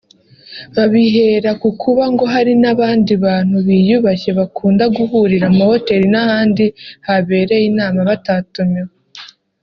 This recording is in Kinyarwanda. Babihera ku kuba ngo hari n’abandi bantu biyubashye bakunda guhurira mu mahoteli n’ahandi habereye inama batatumiwe